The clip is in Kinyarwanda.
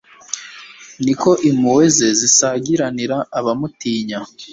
ni ko impuhwe ze zisagiranira abamutinya